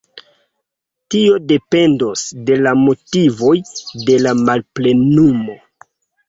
Tio dependos de la motivoj de la malplenumo.